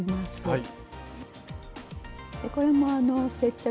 はい。